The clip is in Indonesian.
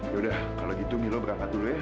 yaudah kalau gitu milo berangkat dulu ya